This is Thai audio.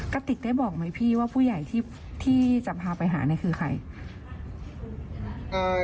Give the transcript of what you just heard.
กระติกได้บอกไหมพี่ว่าผู้ใหญ่ที่จะพาไปหาเนี่ยคือใคร